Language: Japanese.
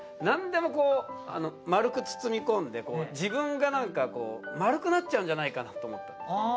何でもこう丸く包み込んで自分が何かこう丸くなっちゃうんじゃないかなと思ったんです